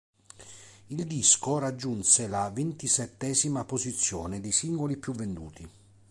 Il disco raggiunse la ventisettesima posizione dei singoli più venduti..